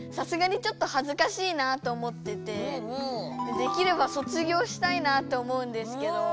できれば卒業したいなと思うんですけど。